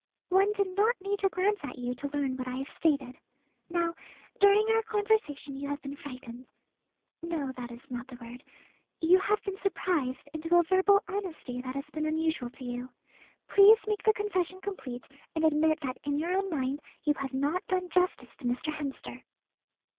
"One did not need to glance at you to learn what I have stated. Now, during our conversation you have been frightened no, that is not the word you have been surprised into a verbal honesty that has been unusual to you. Please make the confession complete, and admit that in your own mind you have not done justice to Mr. Hemster."